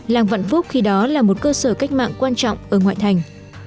làng vạn phúc khi đó là một cơ sở cách mạng quan trọng ở ngoại thành